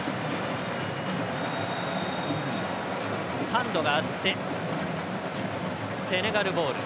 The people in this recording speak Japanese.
ハンドがあってセネガルボール。